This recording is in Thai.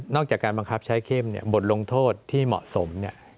จากการบังคับใช้เข้มเนี่ยบทลงโทษที่เหมาะสม